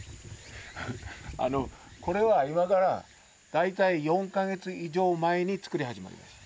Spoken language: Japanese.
これは今から大体４か月以上前に作り始めました。